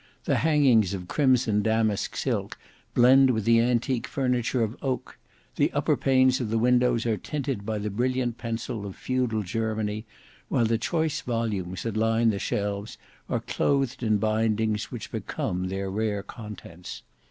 The hangings of crimson damask silk blend with the antique furniture of oak; the upper panes of the windows are tinted by the brilliant pencil of feudal Germany, while the choice volumes that line the shelves are clothed in bindings which become their rare contents.